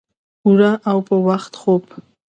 پوره او پۀ وخت خوب